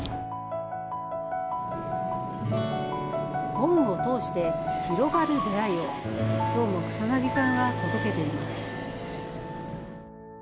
本を通して広がる出会いをきょうも草薙さんは届けています。